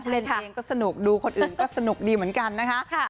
เล่นเองก็สนุกดูคนอื่นก็สนุกดีเหมือนกันนะคะ